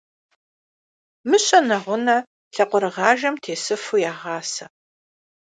Мыщэ нэгъунэ лъакъуэрыгъажэм тесыфу ягъасэ.